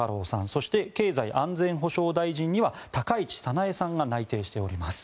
そして、経済安全保障大臣には高市早苗さんが内定しています。